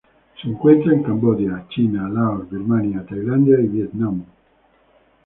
Se encuentra en Camboya, China, Laos, Birmania, Tailandia y Vietnam.